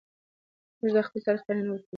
موږ د خپل تاریخ پاڼې نه ورکوو.